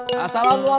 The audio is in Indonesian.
ibu lihat ya